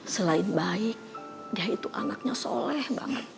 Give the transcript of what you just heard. selain baik dhe itu anaknya misconception banget